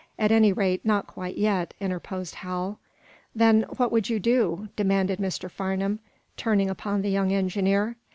At any rate, not quite yet," interposed Hal. "Then what would you do?" demanded Mr. Farnum, turning upon the young engineer.